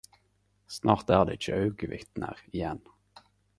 Snart er det ikkje augevitner igjen..